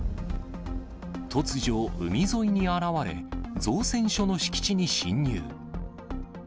突如、海沿いに現れ、造船所の敷地に侵入。